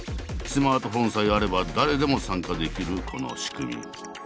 スマートフォンさえあれば誰でも参加できるこの仕組み。